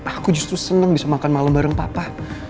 aku justru senang bisa makan malam bareng papa